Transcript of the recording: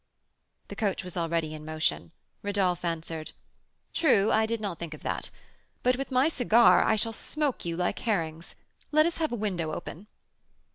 The coach was already in motion. Rodolph answered: "True; I did not think of that. But with my cigar I shall smoke you like herrings; let us have a window open."